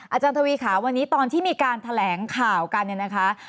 อาจารย์ทวีค่ะวันนี้ตอนที่มีการแถลงข่าวกันเนี่ยนะคะ